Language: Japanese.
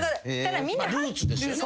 ルーツですよね。